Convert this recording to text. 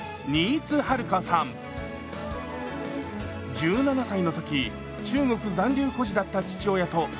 １７歳の時中国残留孤児だった父親と家族で来日。